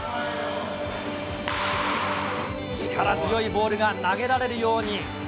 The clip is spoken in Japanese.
力強いボールが投げられるように。